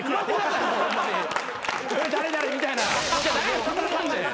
これ誰々みたいな。